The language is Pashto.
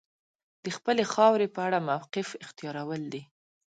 د خپلې خاورې په اړه موقف اختیارول دي.